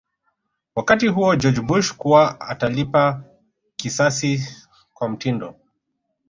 wakati huo George Bush kuwa atalipa kisasi kwa mtindo